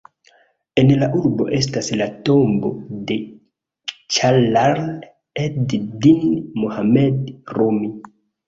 En la urbo estas la tombo de Ĝalal-ed-din Mohammad Rumi.